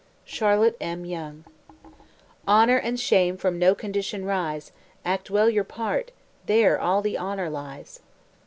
CHARLOTTE M. YONGE Honour and shame from no condition rise; Act well your part, there all the honour lies.